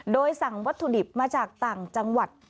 โดยสั่งวัตถุดิบมาจากต่างจังหวัด